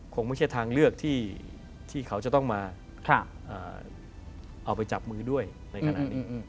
คงไม่ใช่ทางเลือกที่เขาจะต้องมาเอาไปจับมือด้วยในขณะนี้